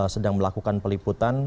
sedang melakukan peliputan